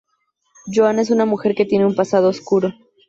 Joana es una mujer que tiene un pasado oscuro.